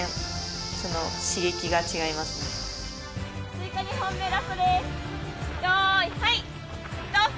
・追加２本目ラストです・・よいはい！